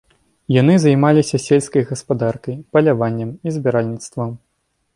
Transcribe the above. Яны займаліся сельскай гаспадаркай, паляваннем і збіральніцтвам.